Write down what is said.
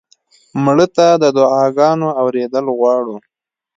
مړه ته د دعا ګانو اورېدل غواړو